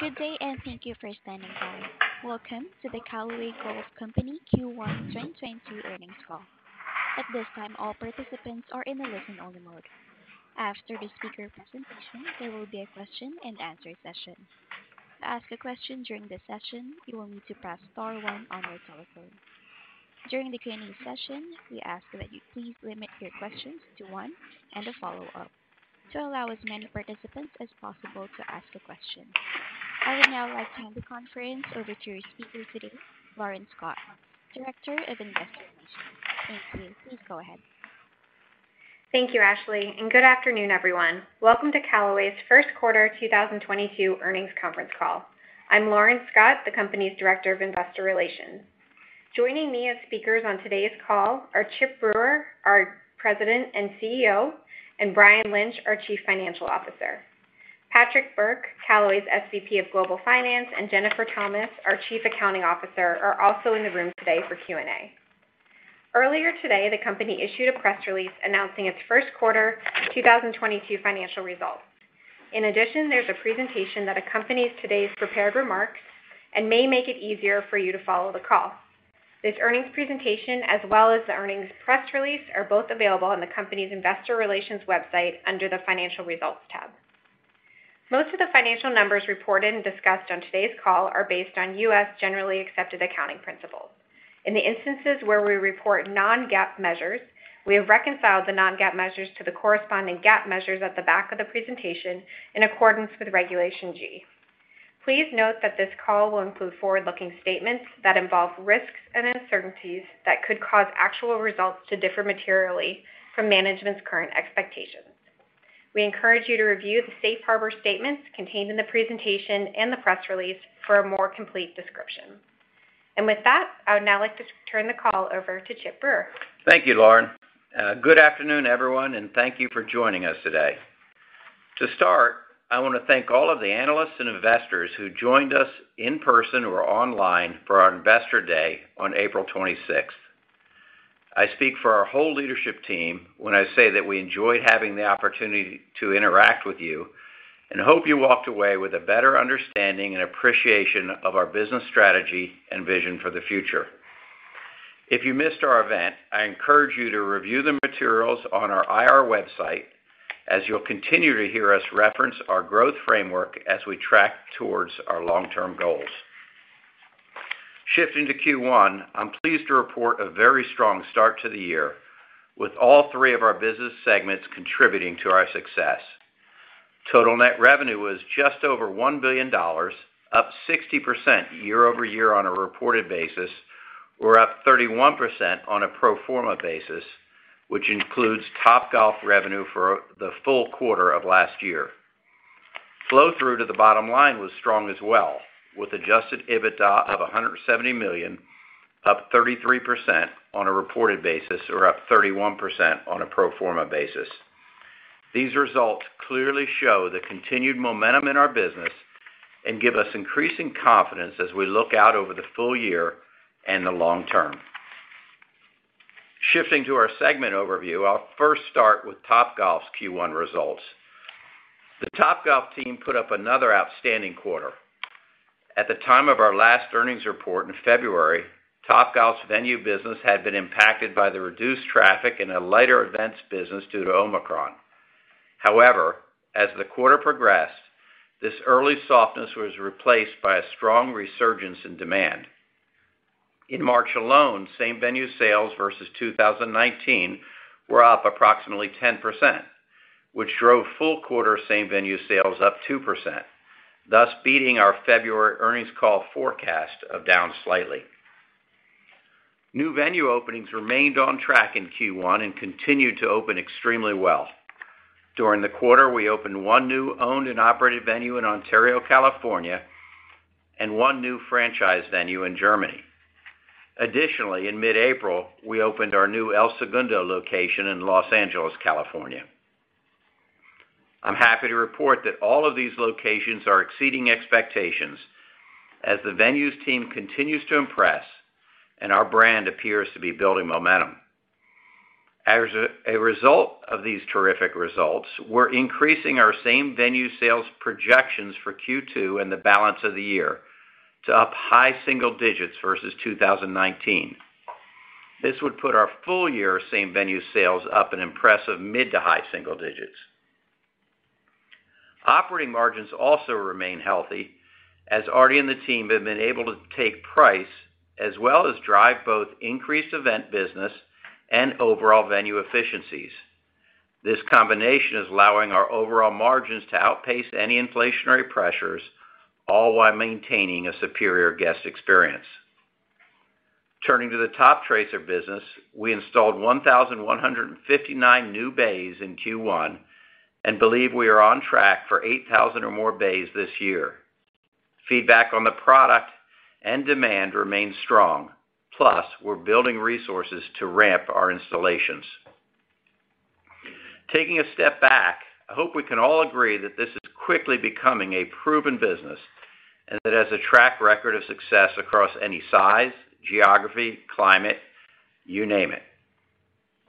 Good day, and thank you for standing by. Welcome to the Callaway Golf Company Q1 2022 earnings call. At this time, all participants are in a listen-only mode. After the speaker presentation, there will be a question and answer session. To ask a question during the session, you will need to press star one on your telephone. During the Q&A session, we ask that you please limit your questions to one and a follow-up to allow as many participants as possible to ask a question. I would now like to hand the conference over to your speaker today, Lauren Scott, Director of Investor Relations. Thank you. Please go ahead. Thank you, Ashley, and good afternoon, everyone. Welcome to Callaway's first quarter 2022 earnings conference call. I'm Lauren Scott, the company's Director of Investor Relations. Joining me as speakers on today's call are Chip Brewer, our President and CEO, and Brian Lynch, our Chief Financial Officer. Patrick Burke, Callaway's SVP of Global Finance, and Jennifer Thomas, our Chief Accounting Officer, are also in the room today for Q&A. Earlier today, the company issued a press release announcing its first quarter 2022 financial results. In addition, there's a presentation that accompanies today's prepared remarks and may make it easier for you to follow the call. This earnings presentation, as well as the earnings press release, are both available on the company's investor relations website under the Financial Results tab. Most of the financial numbers reported and discussed on today's call are based on U.S. generally accepted accounting principles. In the instances where we report non-GAAP measures, we have reconciled the non-GAAP measures to the corresponding GAAP measures at the back of the presentation in accordance with Regulation G. Please note that this call will include forward-looking statements that involve risks and uncertainties that could cause actual results to differ materially from management's current expectations. We encourage you to review the safe harbor statements contained in the presentation and the press release for a more complete description. With that, I would now like to turn the call over to Chip Brewer. Thank you, Lauren. Good afternoon, everyone, and thank you for joining us today. To start, I wanna thank all of the analysts and investors who joined us in person or online for our Investor Day on April twenty-sixth. I speak for our whole leadership team when I say that we enjoyed having the opportunity to interact with you and hope you walked away with a better understanding and appreciation of our business strategy and vision for the future. If you missed our event, I encourage you to review the materials on our IR website, as you'll continue to hear us reference our growth framework as we track towards our long-term goals. Shifting to Q1, I'm pleased to report a very strong start to the year, with all three of our business segments contributing to our success. Total net revenue was just over $1 billion, up 60% year-over-year on a reported basis or up 31% on a pro forma basis, which includes Topgolf revenue for the full quarter of last year. Flow through to the bottom line was strong as well, with adjusted EBITDA of $170 million, up 33% on a reported basis or up 31% on a pro forma basis. These results clearly show the continued momentum in our business and give us increasing confidence as we look out over the full year and the long term. Shifting to our segment overview, I'll first start with Topgolf's Q1 results. The Topgolf team put up another outstanding quarter. At the time of our last earnings report in February, Topgolf's venue business had been impacted by the reduced traffic and a lighter events business due to Omicron. However, as the quarter progressed, this early softness was replaced by a strong resurgence in demand. In March alone, same venue sales versus 2019 were up approximately 10%, which drove full quarter same venue sales up 2%, thus beating our February earnings call forecast of down slightly. New venue openings remained on track in Q1 and continued to open extremely well. During the quarter, we opened one new owned and operated venue in Ontario, California, and one new franchise venue in Germany. Additionally, in mid-April, we opened our new El Segundo location in Los Angeles, California. I'm happy to report that all of these locations are exceeding expectations as the venues team continues to impress and our brand appears to be building momentum. As a result of these terrific results, we're increasing our same venue sales projections for Q2 and the balance of the year to up high single digits% versus 2019. This would put our full-year same venue sales up an impressive mid- to high single digits%. Operating margins also remain healthy, as Artie and the team have been able to take price as well as drive both increased event business and overall venue efficiencies. This combination is allowing our overall margins to outpace any inflationary pressures, all while maintaining a superior guest experience. Turning to the Toptracer business, we installed 1,159 new bays in Q1 and believe we are on track for 8,000 or more bays this year. Feedback on the product and demand remains strong, plus we're building resources to ramp our installations. Taking a step back, I hope we can all agree that this is quickly becoming a proven business and that it has a track record of success across any size, geography, climate, you name it.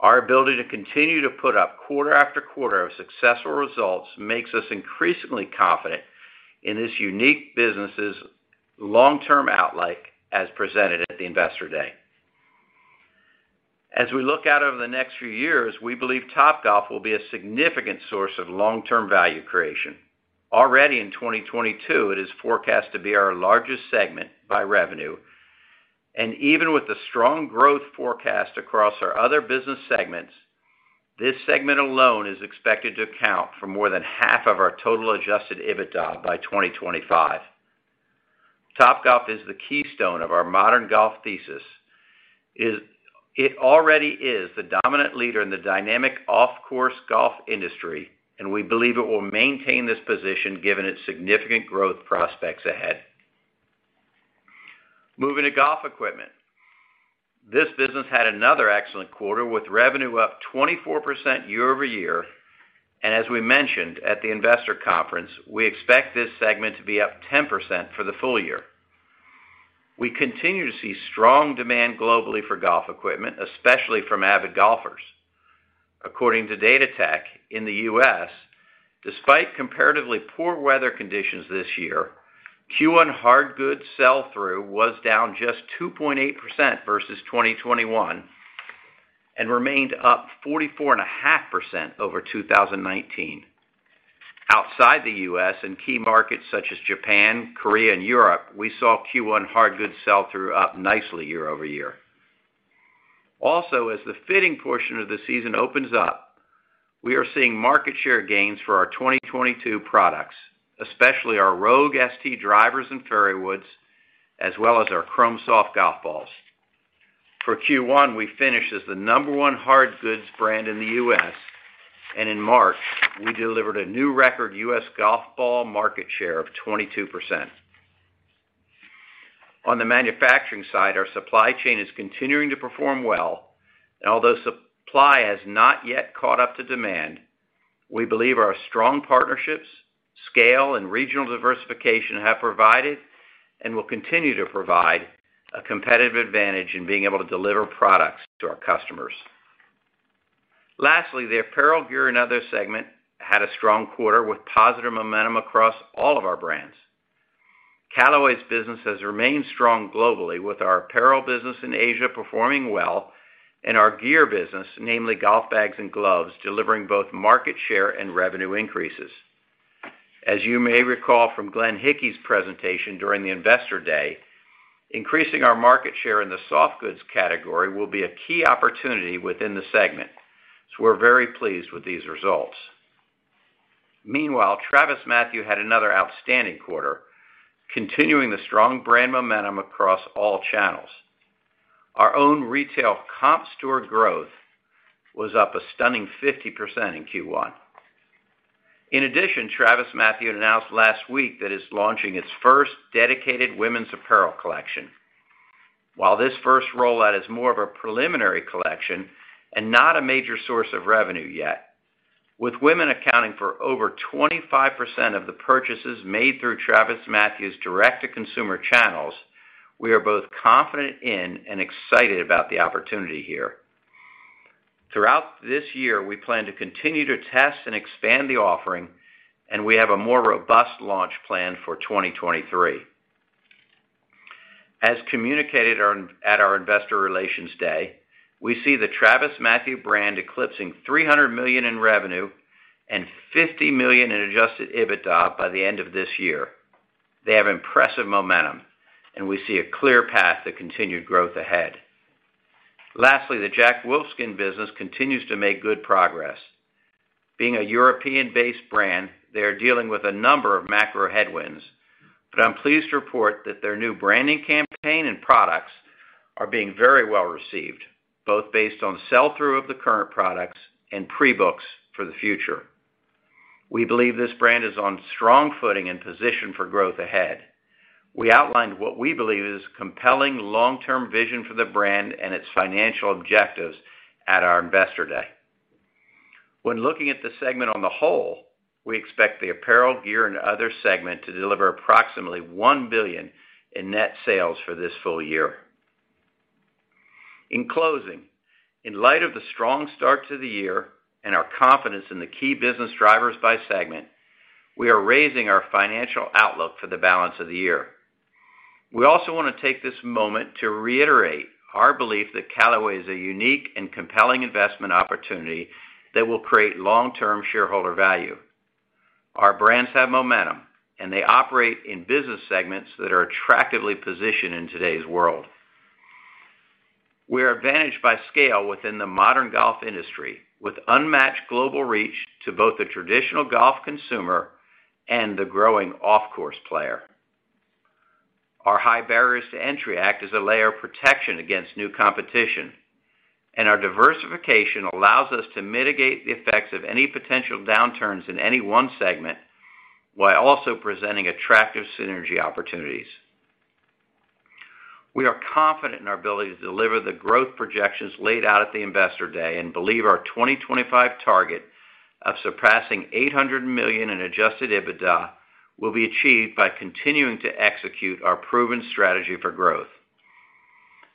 Our ability to continue to put up quarter after quarter of successful results makes us increasingly confident in this unique business' long-term outlook as presented at the Investor Day. As we look out over the next few years, we believe Top golf will be a significant source of long-term value creation. Already in 2022, it is forecast to be our largest segment by revenue. Even with the strong growth forecast across our other business segments, this segment alone is expected to account for more than half of our total adjusted EBITDA by 2025. Topgolf is the keystone of our modern golf thesis. It already is the dominant leader in the dynamic off-course golf industry, and we believe it will maintain this position given its significant growth prospects ahead. Moving to golf equipment. This business had another excellent quarter with revenue up 24% year-over-year. As we mentioned at the investor conference, we expect this segment to be up 10% for the full year. We continue to see strong demand globally for golf equipment, especially from avid golfers. According to Golf Datatech, in the U.S., despite comparatively poor weather conditions this year, Q1 hard goods sell-through was down just 2.8% versus 2021 and remained up 44.5% over 2019. Outside the U.S., in key markets such as Japan, Korea, and Europe, we saw Q1 hard goods sell-through up nicely year-over-year. Also, as the fitting portion of the season opens up, we are seeing market share gains for our 2022 products, especially our Rogue ST drivers and fairways, as well as our Chrome Soft golf balls. For Q1, we finished as the number one hard goods brand in the U.S., and in March, we delivered a new record U.S. golf ball market share of 22%. On the manufacturing side, our supply chain is continuing to perform well, and although supply has not yet caught up to demand, we believe our strong partnerships, scale, and regional diversification have provided and will continue to provide a competitive advantage in being able to deliver products to our customers. Lastly, the apparel gear and other segment had a strong quarter with positive momentum across all of our brands. Callaway's business has remained strong globally, with our apparel business in Asia performing well and our gear business, namely golf bags and gloves, delivering both market share and revenue increases. As you may recall from Glenn Hickey's presentation during the Investor Day, increasing our market share in the soft goods category will be a key opportunity within the segment, so we're very pleased with these results. Meanwhile, TravisMathew had another outstanding quarter, continuing the strong brand momentum across all channels. Our own retail comp store growth was up a stunning 50% in Q1. In addition, TravisMathew announced last week that it's launching its first dedicated women's apparel collection. While this first rollout is more of a preliminary collection and not a major source of revenue yet, with women accounting for over 25% of the purchases made through TravisMathew's direct-to-consumer channels, we are both confident in and excited about the opportunity here. Throughout this year, we plan to continue to test and expand the offering, and we have a more robust launch plan for 2023. As communicated at our Investor Relations Day, we see the TravisMathew brand eclipsing $300 million in revenue and $50 million in adjusted EBITDA by the end of this year. They have impressive momentum, and we see a clear path to continued growth ahead. Lastly, the Jack Wolfskin business continues to make good progress. Being a European-based brand, they are dealing with a number of macro headwinds, but I'm pleased to report that their new branding campaign and products are being very well-received, both based on sell-through of the current products and pre-books for the future. We believe this brand is on strong footing and positioned for growth ahead. We outlined what we believe is compelling long-term vision for the brand and its financial objectives at our Investor Day. When looking at the segment on the whole, we expect the apparel, gear, and other segment to deliver approximately $1 billion in net sales for this full year. In closing, in light of the strong start to the year and our confidence in the key business drivers by segment, we are raising our financial outlook for the balance of the year. We also want to take this moment to reiterate our belief that Callaway is a unique and compelling investment opportunity that will create long-term shareholder value. Our brands have momentum, and they operate in business segments that are attractively positioned in today's world. We are advantaged by scale within the modern golf industry, with unmatched global reach to both the traditional golf consumer and the growing off-course player. Our high barriers to entry act as a layer of protection against new competition, and our diversification allows us to mitigate the effects of any potential downturns in any one segment while also presenting attractive synergy opportunities. We are confident in our ability to deliver the growth projections laid out at the Investor Day and believe our 2025 target of surpassing $800 million in adjusted EBITDA will be achieved by continuing to execute our proven strategy for growth.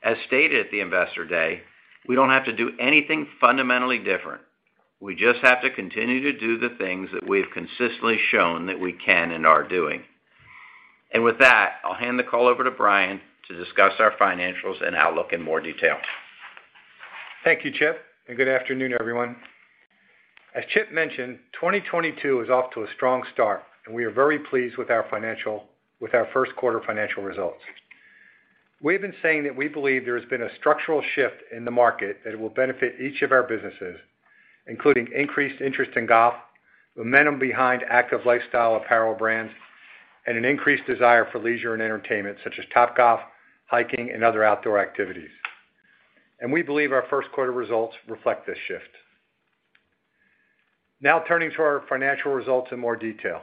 As stated at the Investor Day, we don't have to do anything fundamentally different. We just have to continue to do the things that we have consistently shown that we can and are doing. With that, I'll hand the call over to Brian to discuss our financials and outlook in more detail. Thank you, Chip, and good afternoon, everyone. As Chip mentioned, 2022 is off to a strong start, and we are very pleased with our first quarter financial results. We've been saying that we believe there has been a structural shift in the market that will benefit each of our businesses, including increased interest in golf, momentum behind active lifestyle apparel brands, and an increased desire for leisure and entertainment such as Topgolf, hiking, and other outdoor activities. We believe our first quarter results reflect this shift. Now turning to our financial results in more detail.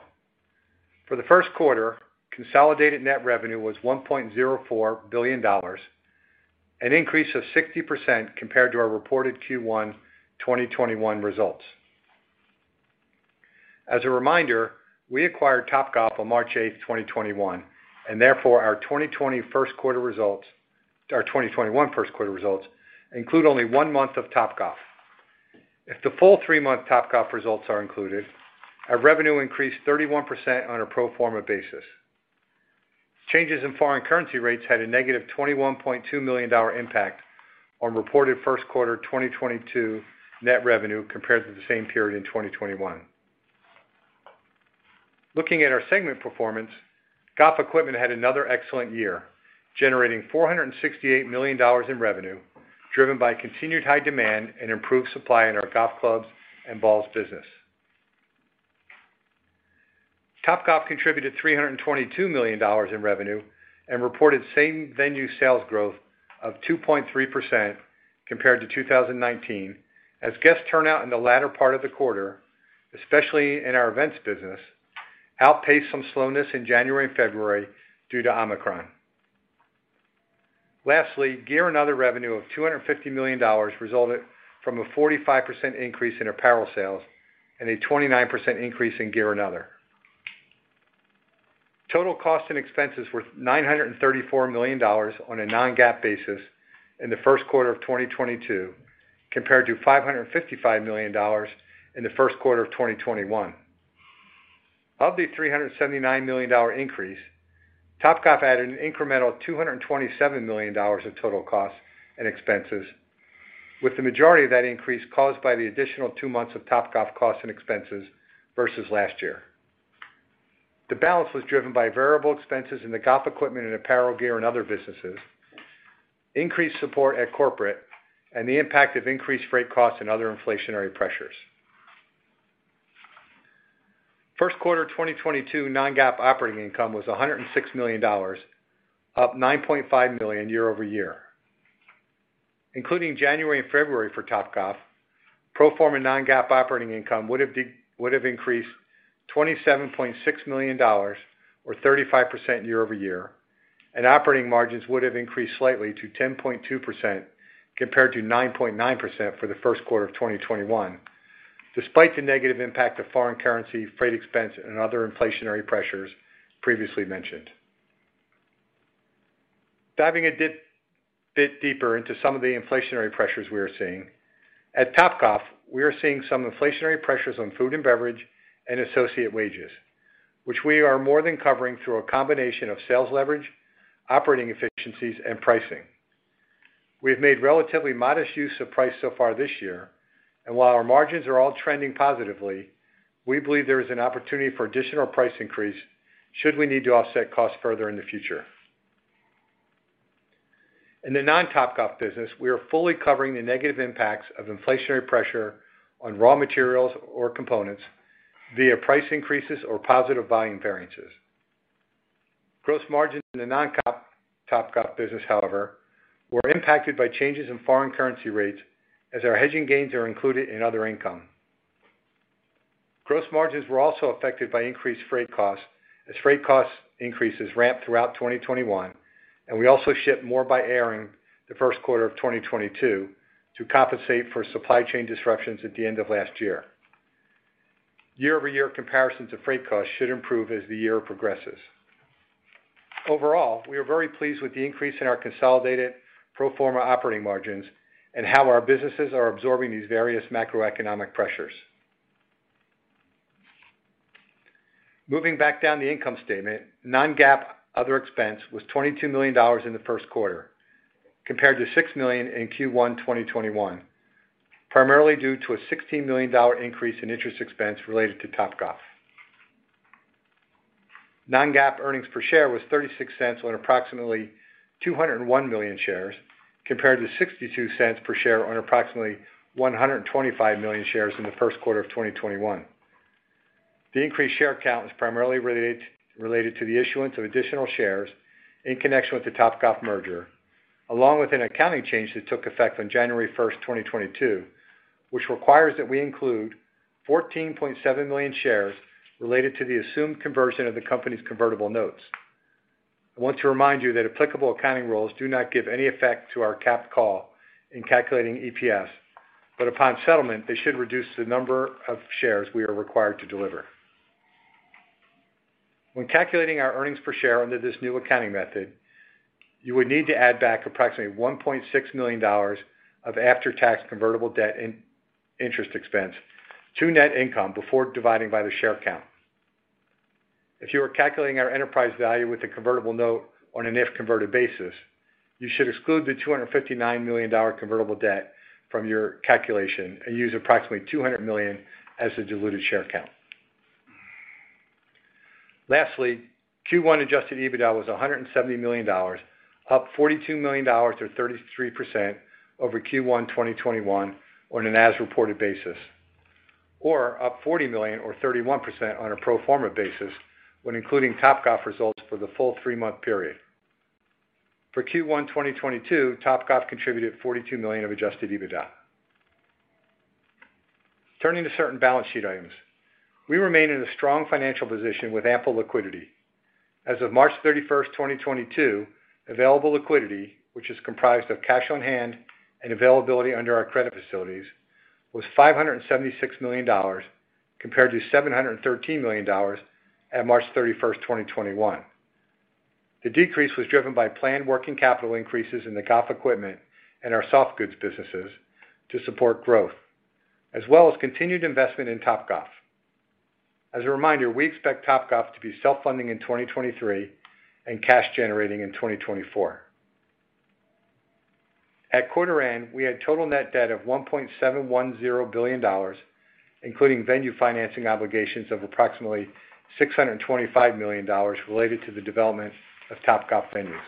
For the first quarter, consolidated net revenue was $1.04 billion, an increase of 60% compared to our reported Q1 2021 results. As a reminder, we acquired Top golf on 8 March 2021, and therefore, our 2021 first quarter results include only 1 month of Top golf. If the full 3-month Top golf results are included, our revenue increased 31% on a pro forma basis. Changes in foreign currency rates had a negative $21.2 million impact on reported first quarter 2022 net revenue compared to the same period in 2021. Looking at our segment performance, golf equipment had another excellent year, generating $468 million in revenue, driven by continued high demand and improved supply in our golf clubs and balls business. Topgolf contributed $322 million in revenue and reported same-venue sales growth of 2.3% compared to 2019 as guest turnout in the latter part of the quarter, especially in our events business, outpaced some slowness in January and February due to Omicron. Lastly, gear and other revenue of $250 million resulted from a 45% increase in apparel sales and a 29% increase in gear and other. Total costs and expenses were $934 million on a non-GAAP basis in the first quarter of 2022, compared to $555 million in the first quarter of 2021. Of the $379 million increase, Topgolf added an incremental $227 million of total costs and expenses, with the majority of that increase caused by the additional 2 months of Topgolf costs and expenses versus last year. The balance was driven by variable expenses in the golf equipment and apparel gear and other businesses, increased support at corporate, and the impact of increased freight costs and other inflationary pressures. First quarter 2022 non-GAAP operating income was $106 million, up $9.5 million year-over-year. Including January and February for Topgolf, pro forma non-GAAP operating income would have increased $27.6 million or 35% year-over-year, and operating margins would have increased slightly to 10.2% compared to 9.9% for the first quarter of 2021, despite the negative impact of foreign currency, freight expense and other inflationary pressures previously mentioned. Diving a bit deeper into some of the inflationary pressures we are seeing, at Topgolf, we are seeing some inflationary pressures on food and beverage and associate wages, which we are more than covering through a combination of sales leverage, operating efficiencies, and pricing. We have made relatively modest use of price so far this year, and while our margins are all trending positively, we believe there is an opportunity for additional price increase should we need to offset costs further in the future. In the non-Topgolf business, we are fully covering the negative impacts of inflationary pressure on raw materials or components via price increases or positive volume variances. Gross margins in the non-Topgolf business, however, were impacted by changes in foreign currency rates as our hedging gains are included in other income. Gross margins were also affected by increased freight costs as freight cost increases ramped throughout 2021, and we also shipped more by air in the first quarter of 2022 to compensate for supply chain disruptions at the end of last year. Year-over-year comparisons of freight costs should improve as the year progresses. Overall, we are very pleased with the increase in our consolidated pro forma operating margins and how our businesses are absorbing these various macroeconomic pressures. Moving back down the income statement, non-GAAP other expense was $22 million in the first quarter, compared to $6 million in Q1 2021, primarily due to a $16 million increase in interest expense related to Topgolf. Non-GAAP earnings per share was $0.36 on approximately 201 million shares, compared to $0.62 per share on approximately 125 million shares in the first quarter of 2021. The increased share count was primarily related to the issuance of additional shares in connection with the Topgolf merger, along with an accounting change that took effect on 1 January 2022, which requires that we include 14.7 million shares related to the assumed conversion of the company's convertible notes. I want to remind you that applicable accounting rules do not give any effect to our capped call in calculating EPS, but upon settlement, they should reduce the number of shares we are required to deliver. When calculating our earnings per share under this new accounting method, you would need to add back approximately $1.6 million of after-tax convertible debt interest expense to net income before dividing by the share count. If you were calculating our enterprise value with a convertible note on an if-converted basis, you should exclude the $259 million convertible debt from your calculation and use approximately 200 million as the diluted share count. Lastly, Q1 adjusted EBITDA was $170 million, up $42 million or 33% over Q1 2021 on an as-reported basis, or up $40 million or 31% on a pro forma basis when including Topgolf results for the full three-month period. For Q1 2022, Topgolf contributed $42 million of adjusted EBITDA. Turning to certain balance sheet items. We remain in a strong financial position with ample liquidity. As of 31 March 2022, available liquidity, which is comprised of cash on hand and availability under our credit facilities, was $576 million compared to $713 million at March 31, 2021. The decrease was driven by planned working capital increases in the golf equipment and our soft goods businesses to support growth, as well as continued investment in Topgolf. As a reminder, we expect Topgolf to be self-funding in 2023 and cash generating in 2024. At quarter end, we had total net debt of $1.710 billion, including venue financing obligations of approximately $625 million related to the development of Topgolf venues.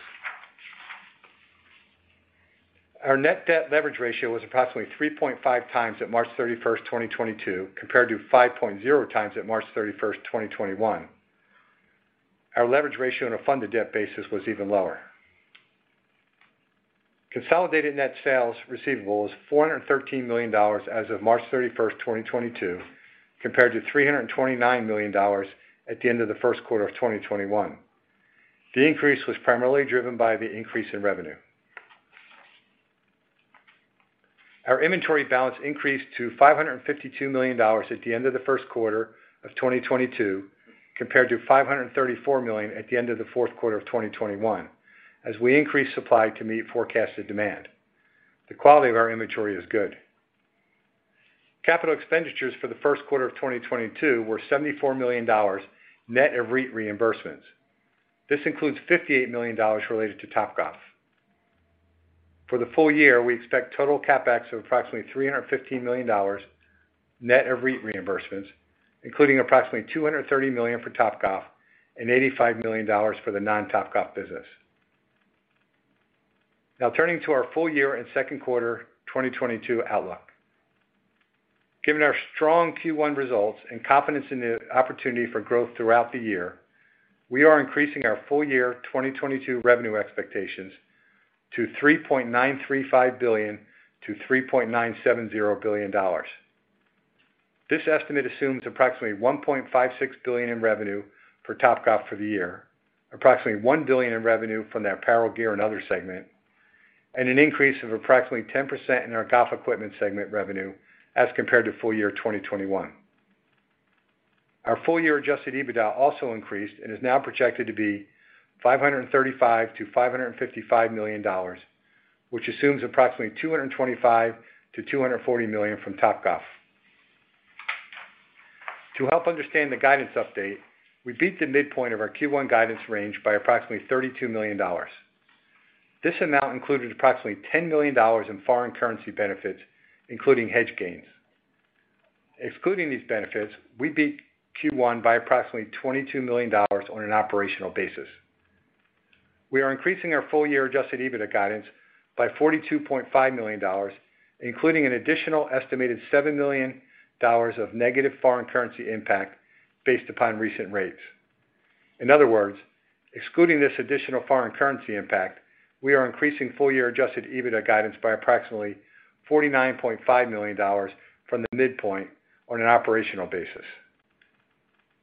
Our net debt leverage ratio was approximately 3.5 times at 31 March 2022, compared to 5.0 times at March 31, 2021. Our leverage ratio on a funded debt basis was even lower. Consolidated net sales receivable was $413 million as of March 31, 2022, compared to $329 million at the end of the first quarter of 2021. The increase was primarily driven by the increase in revenue. Our inventory balance increased to $552 million at the end of the first quarter of 2022, compared to $534 million at the end of the fourth quarter of 2021 as we increased supply to meet forecasted demand. The quality of our inventory is good. Capital expenditures for the first quarter of 2022 were $74 million net of REIT reimbursements. This includes $58 million related to Topgolf. For the full year, we expect total CapEx of approximately $315 million net of REIT reimbursements, including approximately $230 million for Topgolf and $85 million for the non-Topgolf business. Now turning to our full year and second quarter 2022 outlook. Given our strong Q1 results and confidence in the opportunity for growth throughout the year, we are increasing our full year 2022 revenue expectations to $3.935 billion-$3.970 billion. This estimate assumes approximately $1.56 billion in revenue for Topgolf for the year, approximately $1 billion in revenue from the apparel gear and other segment, and an increase of approximately 10% in our golf equipment segment revenue as compared to full year 2021. Our full year adjusted EBITDA also increased and is now projected to be $535 million-$555 million, which assumes approximately $225 million-$240 million from Topgolf. To help understand the guidance update, we beat the midpoint of our Q1 guidance range by approximately $32 million. This amount included approximately $10 million in foreign currency benefits, including hedge gains. Excluding these benefits, we beat Q1 by approximately $22 million on an operational basis. We are increasing our full year adjusted EBITDA guidance by $42.5 million, including an additional estimated $7 million of negative foreign currency impact based upon recent rates. In other words, excluding this additional foreign currency impact, we are increasing full year adjusted EBITDA guidance by approximately $49.5 million from the midpoint on an operational basis.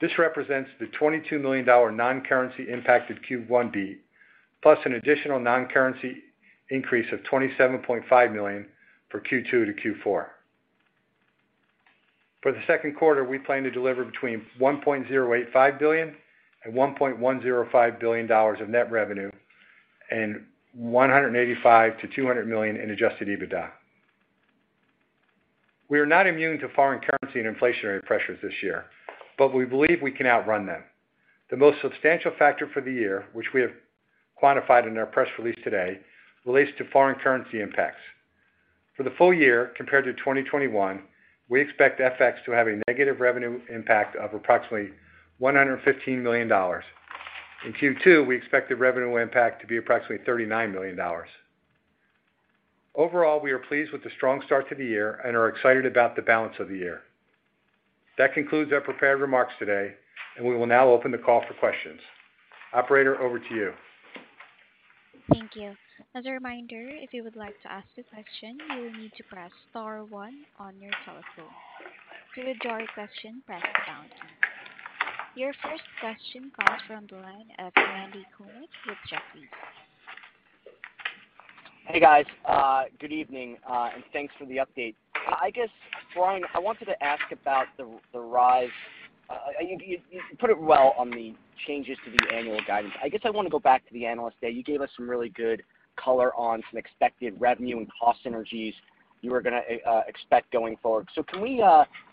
This represents the $22 million non-currency impact of Q1 beat, plus an additional non-currency increase of $27.5 million for Q2 to Q4. For the second quarter, we plan to deliver between $1.085 billion and $1.105 billion of net revenue and $185 million-$200 million in adjusted EBITDA. We are not immune to foreign currency and inflationary pressures this year, but we believe we can outrun them. The most substantial factor for the year, which we have quantified in our press release today, relates to foreign currency impacts. For the full year compared to 2021, we expect FX to have a negative revenue impact of approximately $115 million. In Q2, we expect the revenue impact to be approximately $39 million. Overall, we are pleased with the strong start to the year and are excited about the balance of the year. That concludes our prepared remarks today, and we will now open the call for questions. Operator, over to you. Thank you. As a reminder, if you would like to ask a question, you will need to press star 1 on your telephone. To withdraw your question, press pound. Your first question comes from the line of Randy Konik with Jefferies. Hey, guys. Good evening, and thanks for the update. I guess, Brian, I wanted to ask about the rise. You put it well on the changes to the annual guidance. I guess I wanna go back to the Analyst Day. You gave us some really good caller on some expected revenue and cost synergies you were gonna expect going forward. Can we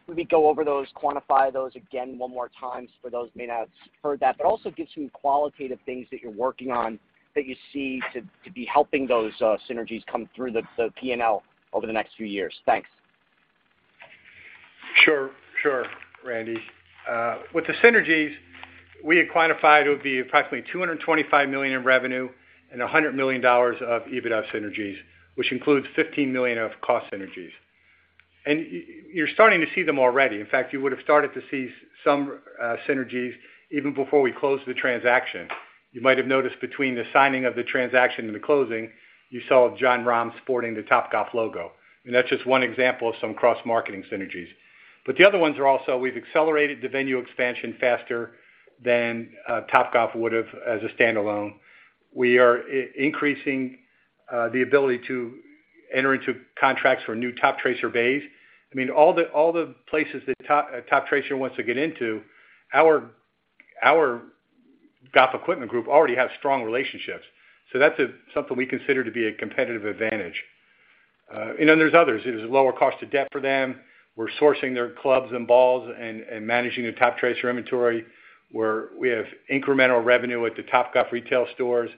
maybe go over those, quantify those again one more time for those who may not have heard that, but also give some qualitative things that you're working on that you see to be helping those synergies come through the P&L over the next few years. Thanks. Sure, Randy. With the synergies, we had quantified it would be approximately $225 million in revenue and $100 million of EBITDA synergies, which includes $15 million of cost synergies. You're starting to see them already. In fact, you would've started to see some synergies even before we closed the transaction. You might have noticed between the signing of the transaction and the closing, you saw Jon Rahm sporting the Topgolf logo, and that's just one example of some cross-marketing synergies. The other ones are also we've accelerated the venue expansion faster than Topgolf would've as a standalone. We are increasing the ability to enter into contracts for new Toptracer bays. I mean, all the places that Toptracer wants to get into, our golf equipment group already has strong relationships. That's something we consider to be a competitive advantage. And then there's others. There's lower cost of debt for them. We're sourcing their clubs and balls and managing their Toptracer inventory, where we have incremental revenue at the Topgolf retail stores.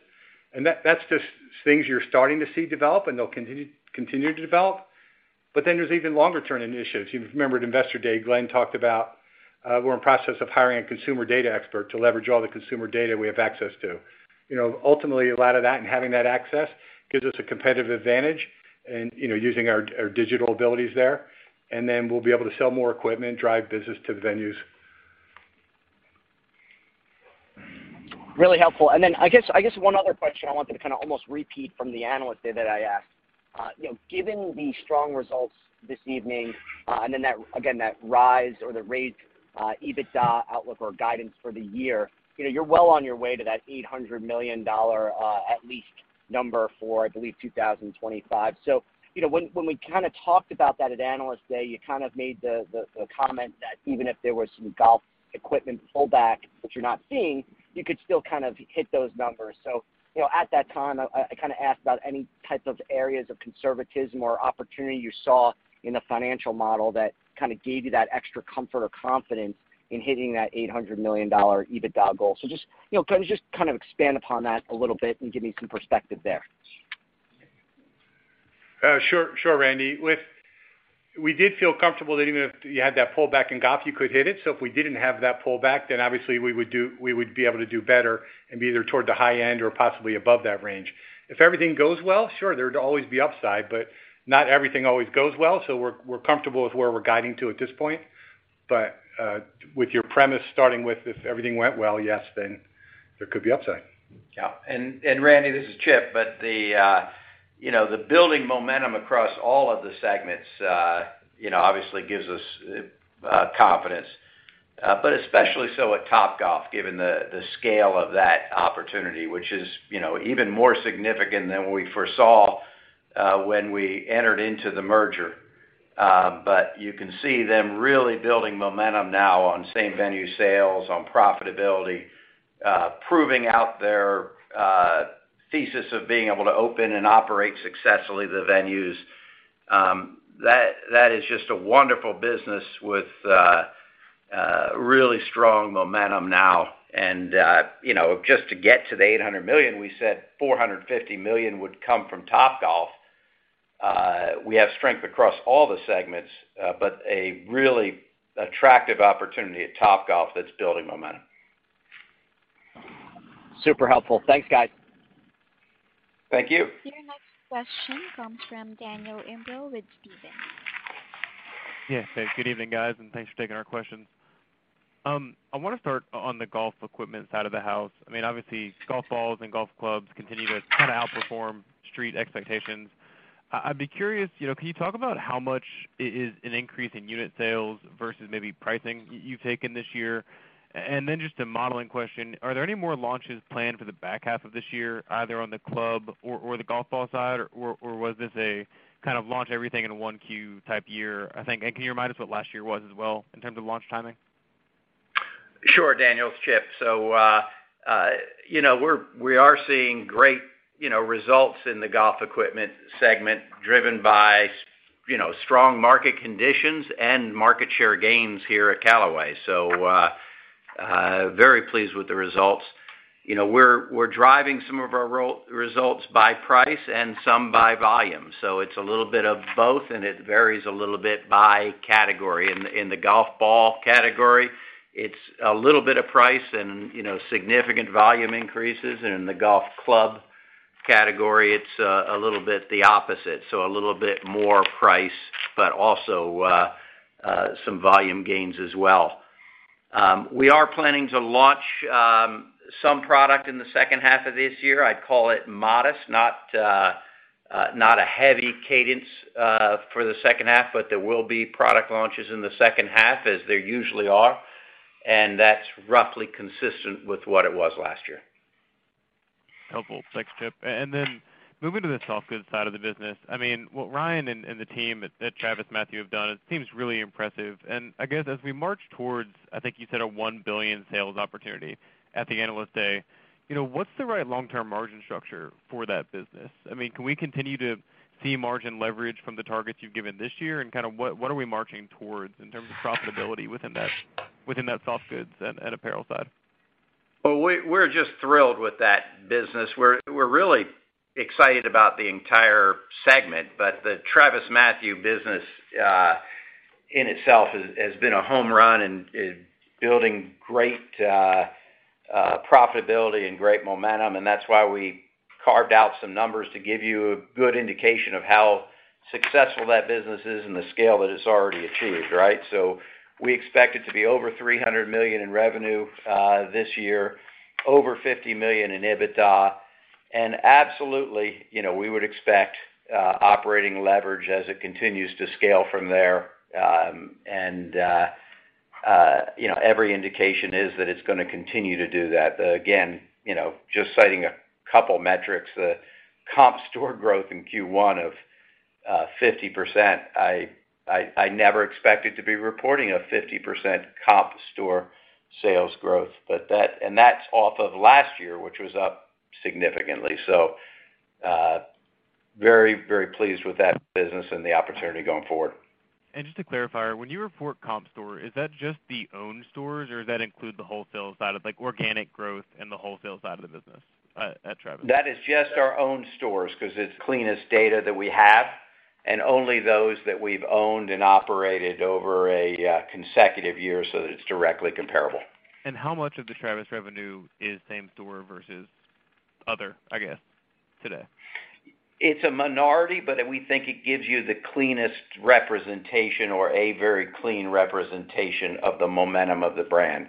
And that's just things you're starting to see develop, and they'll continue to develop. There's even longer-term initiatives. You remember at Investor Day, Glenn talked about, we're in process of hiring a consumer data expert to leverage all the consumer data we have access to. You know, ultimately, a lot of that and having that access gives us a competitive advantage and, you know, using our digital abilities there, and then we'll be able to sell more equipment, drive business to the venues. Really helpful. Then I guess one other question I wanted to kinda almost repeat from the Analyst Day that I asked. You know, given the strong results this evening, and then that, again, that rise or the raised, EBITDA outlook or guidance for the year, you know, you're well on your way to that $800 million at least number for, I believe, 2025. You know, when we kinda talked about that at Analyst Day, you kind of made the comment that even if there was some golf equipment pullback, which you're not seeing, you could still kind of hit those numbers. At that time, I kinda asked about any type of areas of conservatism or opportunity you saw in the financial model that kinda gave you that extra comfort or confidence in hitting that $800 million EBITDA goal. Just, you know, can you just kind of expand upon that a little bit and give me some perspective there? Sure. Sure, Randy. We did feel comfortable that even if you had that pullback in golf, you could hit it. If we didn't have that pullback, then obviously we would be able to do better and be either toward the high end or possibly above that range. If everything goes well, sure, there'd always be upside, but not everything always goes well, we're comfortable with where we're guiding to at this point. With your premise starting with if everything went well, yes, then there could be upside. Randy, this is Chip. You know, the building momentum across all of the segments, you know, obviously gives us confidence. Especially so at Topgolf, given the scale of that opportunity, which is, you know, even more significant than we foresaw, when we entered into the merger. You can see them really building momentum now on same-venue sales, on profitability, proving out their thesis of being able to open and operate successfully the venues. That is just a wonderful business with really strong momentum now. You know, just to get to the $800 million, we said $450 million would come from Topgolf. We have strength across all the segments, but a really attractive opportunity at Topgolf that's building momentum. Super helpful. Thanks, guys. Thank you. Your next question comes from Daniel Imbro with Stephens. Hey, good evening, guys, and thanks for taking our questions. I wanna start on the golf equipment side of the house. I mean, obviously golf balls and golf clubs continue to kind of outperform street expectations. I'd be curious, you know, can you talk about how much is an increase in unit sales versus maybe pricing you've taken this year? And then just a modeling question. Are there any more launches planned for the back half of this year, either on the club or the golf ball side, or was this a kind of launch everything in one Q type year, I think? And can you remind us what last year was as well in terms of launch timing? Sure, Daniel. It's Chip. You know, we are seeing great, you know, results in the golf equipment segment driven by, you know, strong market conditions and market share gains here at Callaway. Very pleased with the results. You know, we're driving some of our results by price and some by volume. It's a little bit of both, and it varies a little bit by category. In the golf ball category, it's a little bit of price and, you know, significant volume increases. In the golf club category, it's a little bit the opposite, so a little bit more price, but also some volume gains as well. We are planning to launch some product in the second half of this year. I'd call it modest, not a heavy cadence for the second half, but there will be product launches in the second half as there usually are, and that's roughly consistent with what it was last year. Helpful. Thanks, Chip. Then moving to the softgoods side of the business. I mean, what Ryan and the team at TravisMathew have done, it seems really impressive. I guess, as we march towards, I think you said a $1 billion sales opportunity at the Analyst Day, you know, what's the right long-term margin structure for that business? I mean, can we continue to see margin leverage from the targets you've given this year? Kind of what are we marching towards in terms of profitability within that softgoods and apparel side? Well, we're just thrilled with that business. We're really excited about the entire segment, but the TravisMathew business in itself has been a home run and is building great profitability and great momentum, and that's why we carved out some numbers to give you a good indication of how successful that business is and the scale that it's already achieved, right? We expect it to be over $300 million in revenue this year, over $50 million in EBITDA. Absolutely, you know, we would expect operating leverage as it continues to scale from there. You know, every indication is that it's gonna continue to do that. Again just citing a couple metrics, the comp store growth in Q1 of 50%, I never expected to be reporting a 50% comp store sales growth, but that's off of last year, which was up significantly. Very, very pleased with that business and the opportunity going forward. Just to clarify, when you report comp store, is that just the own stores or does that include the wholesale side of like organic growth and the wholesale side of the business at TravisMathew? That is just our own stores because it's the cleanest data that we have and only those that we've owned and operated over a consecutive year, so it's directly comparable. How much of the TravisMathew revenue is same-store versus other, I guess, today? It's a minority, but we think it gives you the cleanest representation or a very clean representation of the momentum of the brand.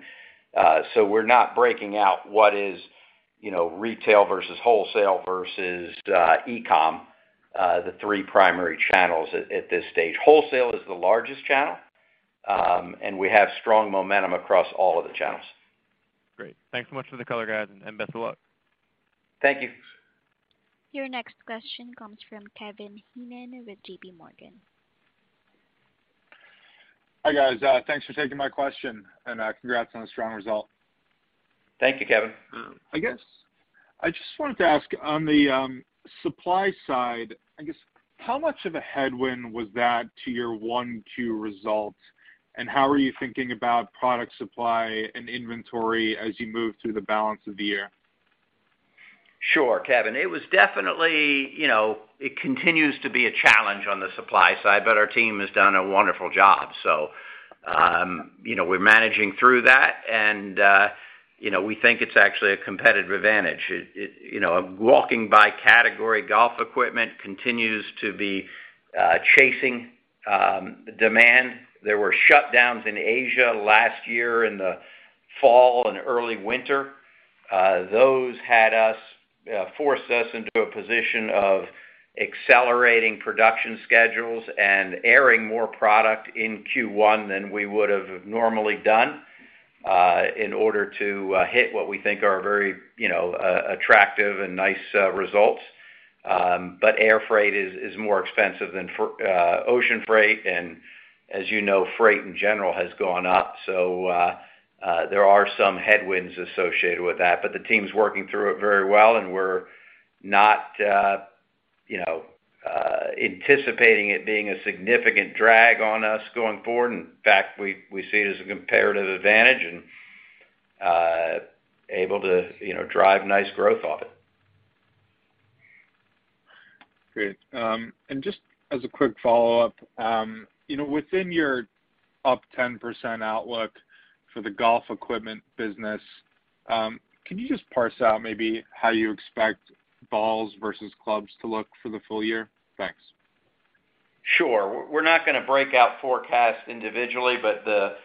We're not breaking out what is, you know, retail versus wholesale versus e-com, the three primary channels at this stage. Wholesale is the largest channel, and we have strong momentum across all of the channels. Great. Thanks so much for the caller, guys, and best of luck. Thank you. Your next question comes from Kevin Heenan with JP Morgan. Hi, guys. Thanks for taking my question, and congrats on a strong result. Thank you, Kevin. I guess I just wanted to ask on the supply side, I guess how much of a headwind was that to your 1Q results, and how are you thinking about product supply and inventory as you move through the balance of the year? Sure, Kevin. It was definitely, you know, it continues to be a challenge on the supply side, but our team has done a wonderful job. We're managing through that and, you know, we think it's actually a competitive advantage. You know, walking by category, golf equipment continues to be chasing demand. There were shutdowns in Asia last year in the fall and early winter. Those forced us into a position of accelerating production schedules and air-freighting more product in Q1 than we would have normally done in order to hit what we think are very, you know, attractive and nice results. But air freight is more expensive than ocean freight. As you know, freight in general has gone up. There are some headwinds associated with that, but the team's working through it very well, and we're not, you know, anticipating it being a significant drag on us going forward. In fact, we see it as a comparative advantage and able to, you know, drive nice growth of it. Great. Just as a quick follow-up, you know, within your up 10% outlook for the golf equipment business, can you just parse out maybe how you expect balls versus clubs to look for the full year? Thanks. Sure. We're not gonna break out forecasts individually, but the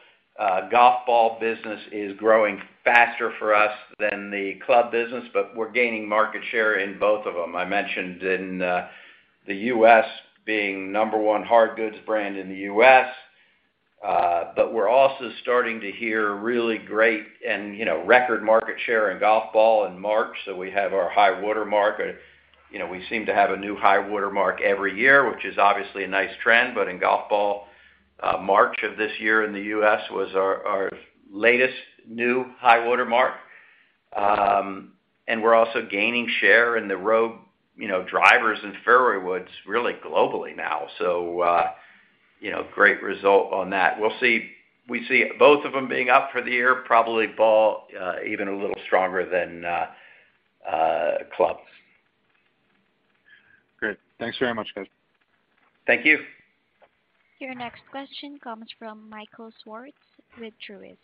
golf ball business is growing faster for us than the club business, but we're gaining market share in both of them. I mentioned in the U.S. being number one hard goods brand in the U.S., but we're also starting to hear really great and, you know, record market share in golf ball in March. We have our high water mark. You know, we seem to have a new high water mark every year, which is obviously a nice trend. In golf ball, March of this year in the U.S. was our latest new high water mark. We're also gaining share in the Rogue, you know, drivers and fairway woods really globally now. Great result on that. We see both of them being up for the year, probably ball, even a little stronger than clubs. Great. Thanks very much, guys. Thank you. Your next question comes from Michael Swartz with Truist.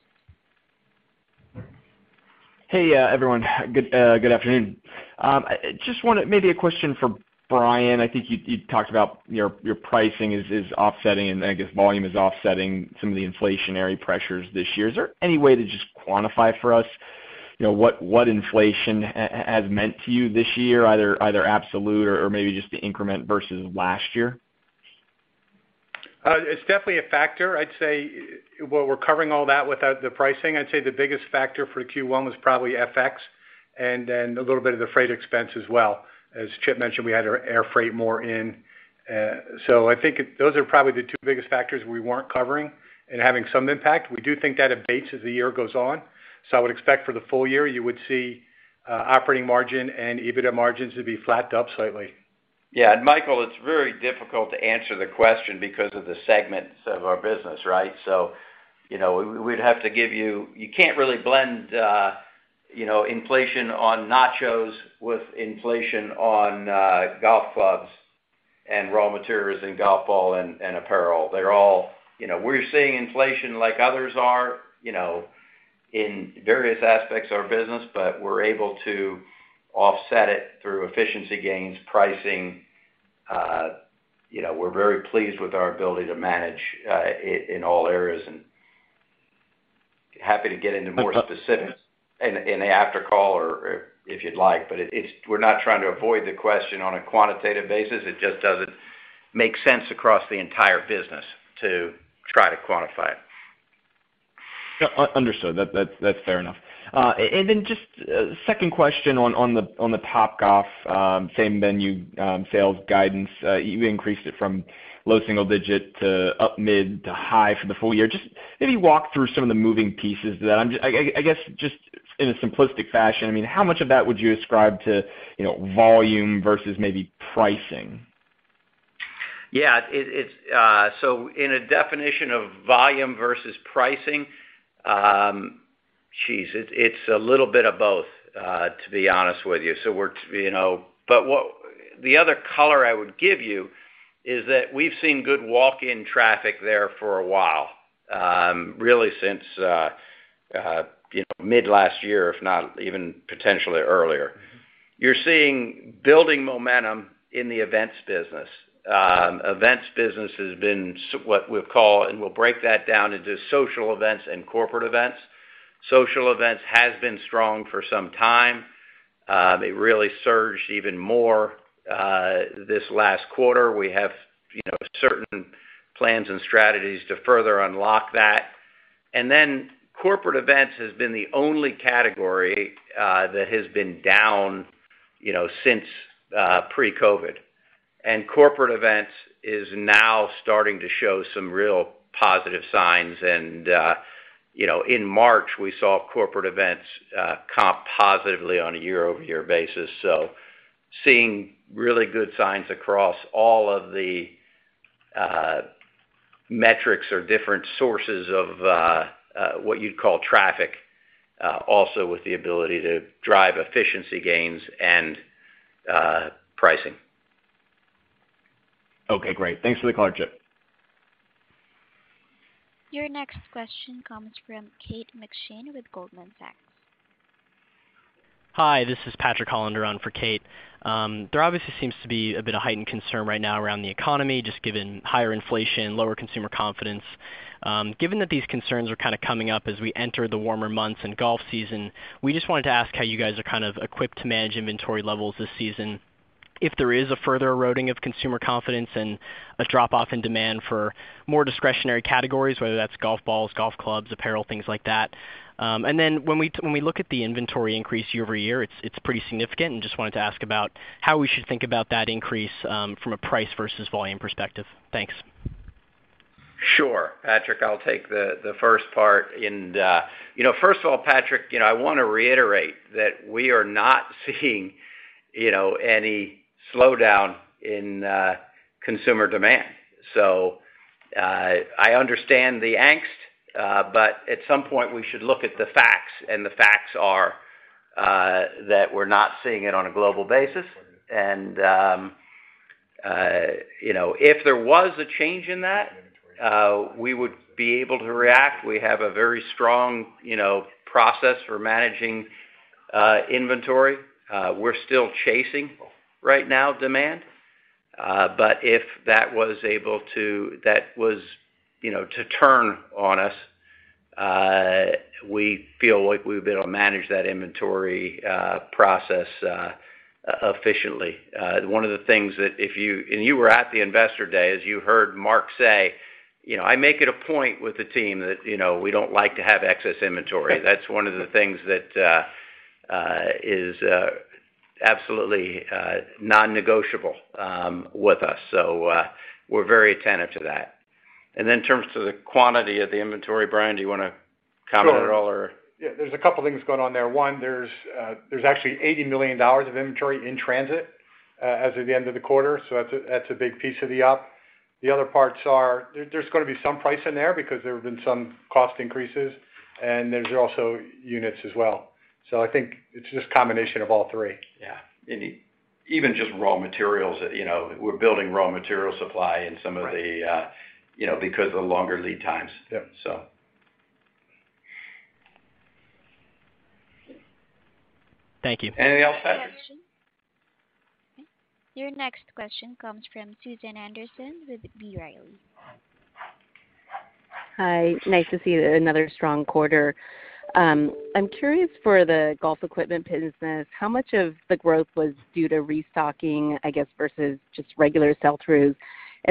Hey, everyone. Good afternoon. I just wanted maybe a question for Brian. I think you talked about your pricing is offsetting, and I guess volume is offsetting some of the inflationary pressures this year. Is there any way to just quantify for us, you know, what inflation has meant to you this year, either absolute or maybe just the increment versus last year? It's definitely a factor. I'd say while we're covering all that without the pricing, I'd say the biggest factor for Q1 was probably FX and then a little bit of the freight expense as well. As Chip mentioned, we had our air freight more in, so I think those are probably the two biggest factors we weren't covering and having some impact. We do think that abates as the year goes on. I would expect for the full year, you would see operating margin and EBITDA margins to be flat to up slightly. Michael, it's very difficult to answer the question because of the segments of our business, right? You know, we'd have to give you. You can't really blend, you know, inflation on nachos with inflation on, golf clubs and raw materials and golf ball and apparel. They're all, you know, we're seeing inflation like others are, you know, in various aspects of our business, but we're able to offset it through efficiency gains, pricing. You know, we're very pleased with our ability to manage in all areas, and happy to get into more specifics in the after call or if you'd like. But it's, we're not trying to avoid the question on a quantitative basis. It just doesn't make sense across the entire business to try to quantify it. Understood. That's fair enough. Just a second question on the Topgolf same venue sales guidance. You increased it from low single digit to up mid to high for the full year. Just maybe walk through some of the moving pieces of that. I guess just in a simplistic fashion, I mean, how much of that would you ascribe to, you know, volume versus maybe pricing? It's a little bit of both, to be honest with you. We're, you know. What the other caller I would give you is that we've seen good walk-in traffic there for a while, really since, you know, mid last year, if not even potentially earlier. You're seeing building momentum in the events business. Events business has been what we'll call, and we'll break that down into social events and corporate events. Social events has been strong for some time. They really surged even more this last quarter. We have, you know, certain plans and strategies to further unlock that. Corporate events has been the only category that has been down, you know, since pre-COVID. Corporate events is now starting to show some real positive signs. You know, in March, we saw corporate events comp positively on a year-over-year basis. Seeing really good signs across all of the metrics or different sources of what you'd call traffic, also with the ability to drive efficiency gains and pricing. Okay, great. Thanks for the caller, Chip. Your next question comes from Kate McShane with Goldman Sachs. Hi, this is Patrick Hollander on for Kate. There obviously seems to be a bit of heightened concern right now around the economy, just given higher inflation, lower consumer confidence. Given that these concerns are kind of coming up as we enter the warmer months and golf season, we just wanted to ask how you guys are kind of equipped to manage inventory levels this season if there is a further eroding of consumer confidence and a drop off in demand for more discretionary categories, whether that's golf balls, golf clubs, apparel, things like that. When we look at the inventory increase year-over-year, it's pretty significant. Just wanted to ask about how we should think about that increase from a price versus volume perspective. Thanks. Sure. Patrick, I'll take the first part. You know, first of all, Patrick, you know, I wanna reiterate that we are not seeing, you know, any slowdown in consumer demand. I understand the angst, but at some point, we should look at the facts, and the facts are that we're not seeing it on a global basis. You know, if there was a change in that, we would be able to react. We have a very strong, you know, process for managing inventory. We're still chasing demand right now. But if that was to turn on us, we feel like we'll be able to manage that inventory process efficiently. One of the things that, if you were at the Investor Day, as you heard Mark say, you know, I make it a point with the team that, you know, we don't like to have excess inventory. That's one of the things that is absolutely non-negotiable with us. We're very attentive to that. In terms of the quantity of the inventory, Brian, do you want to comment at all or? Sure. There's a couple of things going on there. One, there's actually $80 million of inventory in transit, as of the end of the quarter. That's a big piece of the up. The other parts are there's gonna be some price in there because there have been some cost increases, and there's also units as well. I think it's just combination of all three. Even just raw materials, you know, we're building raw material supply in some of the, right, you know, because of the longer lead times. Thank you. Anything else? Your next question comes from Susan Anderson with B. Riley. Hi. Nice to see another strong quarter. I'm curious for the golf equipment business, how much of the growth was due to restocking, I guess, versus just regular sell-throughs?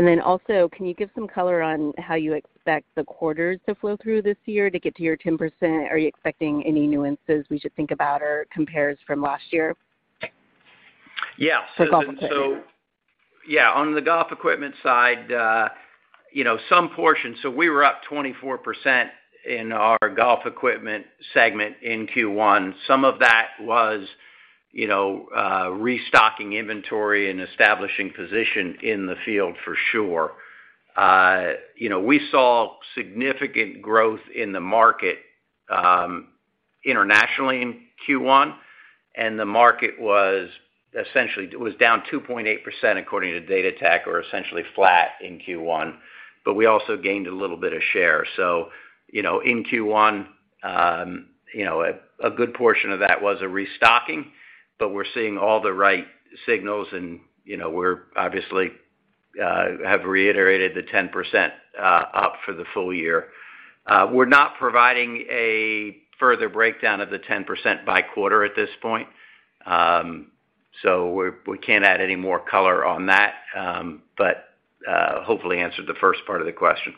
Then also, can you give some caller on how you expect the quarters to flow through this year to get to your 10%? Are you expecting any nuances we should think about or compares from last year? For golf equipment. On the golf equipment side, you know, some portion. We were up 24% in our golf equipment segment in Q1. Some of that was, you know, restocking inventory and establishing position in the field for sure. You know, we saw significant growth in the market internationally in Q1, and the market was essentially down 2.8% according to Golf Datatech, or essentially flat in Q1. But we also gained a little bit of share. You know, in Q1, you know, a good portion of that was a restocking, but we're seeing all the right signals and, you know, we're obviously have reiterated the 10% up for the full year. We're not providing a further breakdown of the 10% by quarter at this point. We can't add any more caller on that, but hopefully answered the first part of the question.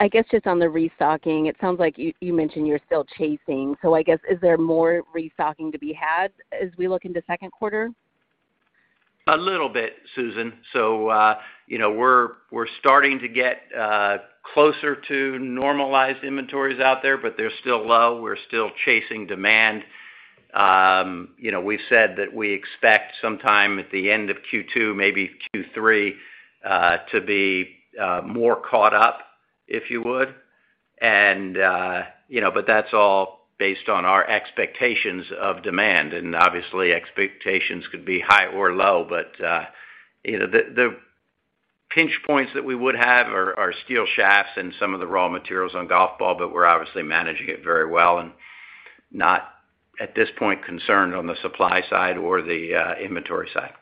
I guess just on the restocking, it sounds like you mentioned you're still chasing. I guess, is there more restocking to be had as we look into second quarter? A little bit, Susan. You know, we're starting to get closer to normalized inventories out there, but they're still low. We're still chasing demand. You know, we've said that we expect sometime at the end of Q2, maybe Q3, to be more caught up, if you would. You know, but that's all based on our expectations of demand, and obviously, expectations could be high or low. You know, the pinch points that we would have are steel shafts and some of the raw materials on golf ball, but we're obviously managing it very well and not at this point concerned on the supply side or the inventory side.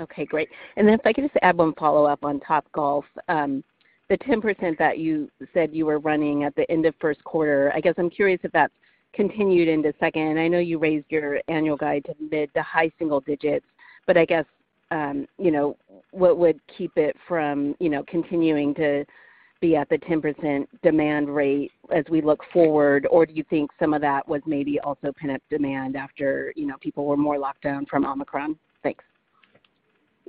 Okay, great. If I could just add one follow-up on Top golf. The 10% that you said you were running at the end of first quarter, I guess I'm curious if that's continued into second. I know you raised your annual guide to mid- to high-single digits, but I guess, you know, what would keep it from, you know, continuing to be at the 10% demand rate as we look forward? Or do you think some of that was maybe also pent-up demand after, you know, people were more locked down from Omicron? Thanks.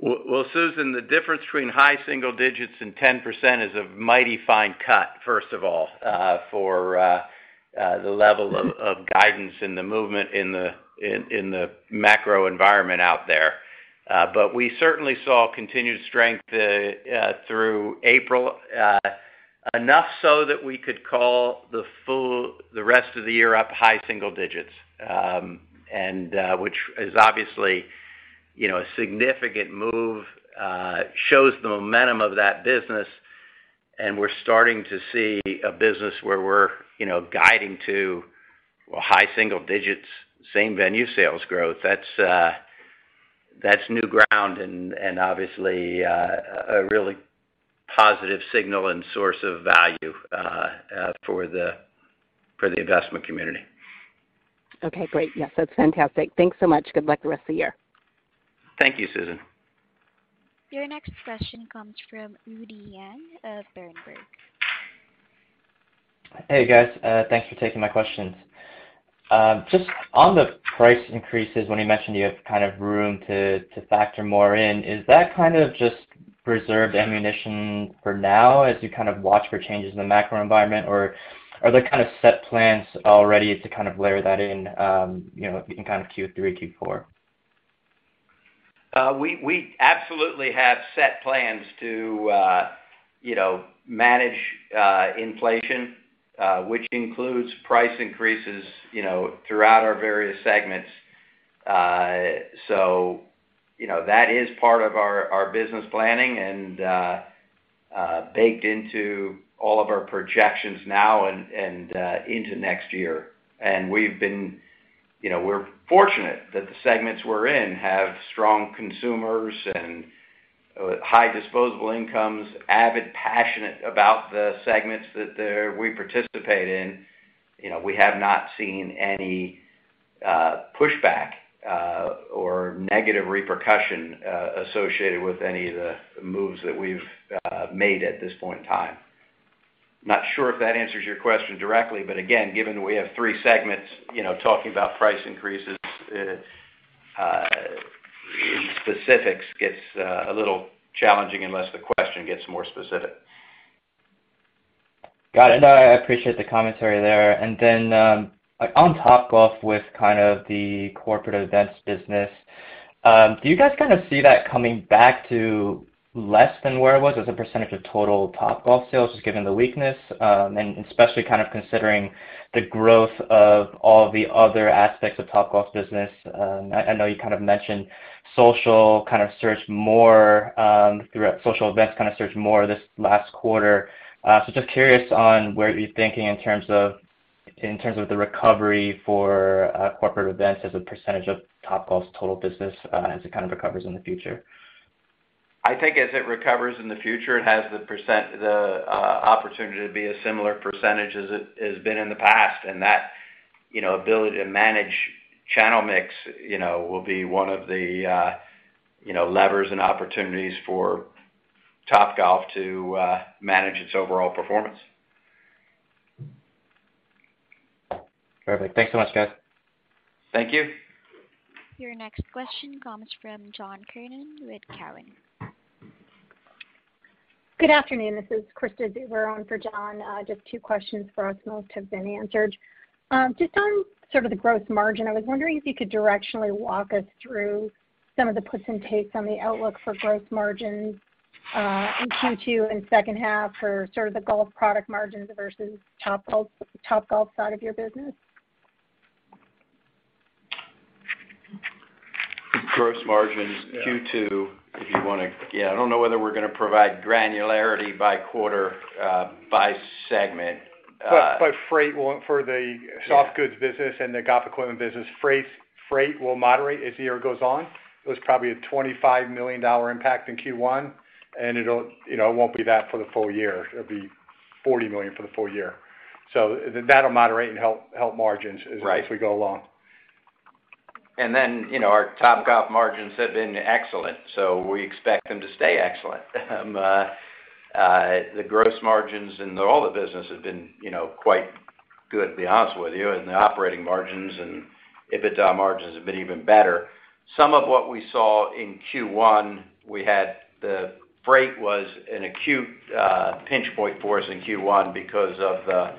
Well, Susan, the difference between high single digits and 10% is a mighty fine cut, first of all, for the level of guidance and the movement in the macro environment out there. We certainly saw continued strength through April, enough so that we could call the rest of the year up high single digits, and which is obviously, you know, a significant move, shows the momentum of that business, and we're starting to see a business where we're, you know, guiding to high single digits same-venue sales growth. That's new ground and obviously a really positive signal and source of value for the investment community. Okay, great. Yes, that's fantastic. Thanks so much. Good luck the rest of the year. Thank you, Susan. Your next question comes from Rudy Yang of Berenberg. Hey, guys. Thanks for taking my questions. Just on the price increases, when you mentioned you have kind of room to factor more in, is that kind of just reserved ammunition for now as you kind of watch for changes in the macro environment, or are there kind of set plans already to kind of layer that in, you know, in kind of Q3, Q4? We absolutely have set plans to, you know, manage inflation, which includes price increases, you know, throughout our various segments. You know, that is part of our business planning and baked into all of our projections now and into next year. You know, we're fortunate that the segments we're in have strong consumers and high disposable incomes, avid, passionate about the segments that we participate in. You know, we have not seen any pushback or negative repercussion associated with any of the moves that we've made at this point in time. Not sure if that answers your question directly, but again, given we have three segments, you know, talking about price increases, specifics gets a little challenging unless the question gets more specific. Got it. No, I appreciate the commentary there. On Top golf with kind of the corporate events business. Do you guys kind of see that coming back to less than where it was as a percentage of total Topgolf sales, just given the weakness, and especially kind of considering the growth of all the other aspects of Topgolf business? I know you kind of mentioned social events kind of surged more this last quarter. Just curious on where you're thinking in terms of the recovery for corporate events as a percentage of Topgolf's total business, as it kind of recovers in the future. I think as it recovers in the future, it has the opportunity to be a similar percentage as it has been in the past. That, you know, ability to manage channel mix, you know, will be one of the, you know, levers and opportunities for Topgolf to manage its overall performance. Perfect. Thanks so much, guys. Thank you. Your next question comes from John Kernan with Cowen. Good afternoon. This is Krista Zuber in for John. Just two questions for us, most have been answered. Just on sort of the gross margin, I was wondering if you could directionally walk us through some of the puts and takes on the outlook for gross margin, in Q2 and second half for sort of the golf product margins versus Topgolf side of your business. Gross margins. Q2, if you wanna. I don't know whether we're gonna provide granularity by quarter, by segment. Freight won't for the soft goods business and the golf equipment business. Freight will moderate as the year goes on. It was probably a $25 million impact in Q1, and it'll, you know, it won't be that for the full year. It'll be $40 million for the full year. That'll moderate and help margins as we go along. Right. You know, our Topgolf margins have been excellent, so we expect them to stay excellent. The gross margins in all the business have been, you know, quite good, to be honest with you. The operating margins and EBITDA margins have been even better. Some of what we saw in Q1, we had the freight was an acute pinch point for us in Q1 because of